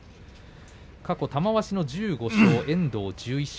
過去玉鷲の１５勝、遠藤１１勝。